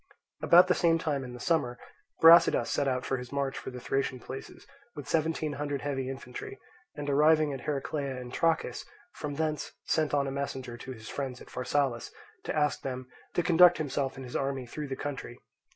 About the same time in the summer, Brasidas set out on his march for the Thracian places with seventeen hundred heavy infantry, and arriving at Heraclea in Trachis, from thence sent on a messenger to his friends at Pharsalus, to ask them to conduct himself and his army through the country.